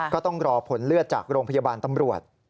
ก็ต้องรอผลเลือดจากโรงพยาบาลตำรวจ